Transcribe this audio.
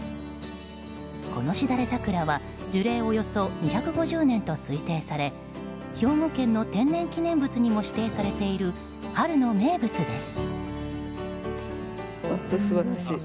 このしだれ桜は樹齢およそ２５０年と推定され兵庫県の天然記念物にも指定されている春の名物です。